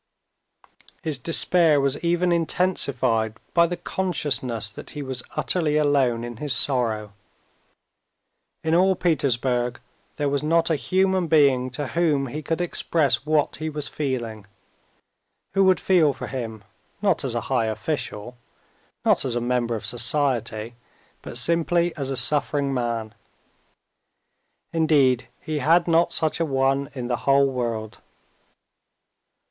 His despair was even intensified by the consciousness that he was utterly alone in his sorrow. In all Petersburg there was not a human being to whom he could express what he was feeling, who would feel for him, not as a high official, not as a member of society, but simply as a suffering man; indeed he had not such a one in the whole world.